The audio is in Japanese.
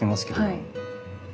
はい。